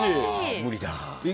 無理だ。